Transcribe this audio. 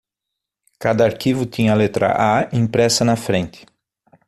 Cada arquivo tinha a letra "A" impressa na frente.